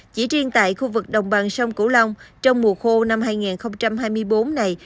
chỉ riêng tại khu vực đồng bằng sông cửu long trong mùa khô năm hai nghìn hai mươi bốn này